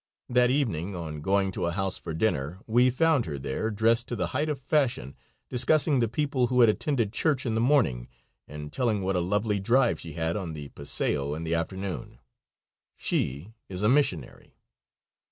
That evening on going to a house for dinner we found her there, dressed to the height of fashion, discussing the people who had attended church in the morning and telling what a lovely drive she had on the paseo in the afternoon. She is a missionary.